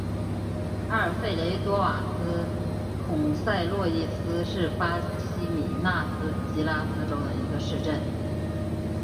阿尔弗雷多瓦斯孔塞洛斯是巴西米纳斯吉拉斯州的一个市镇。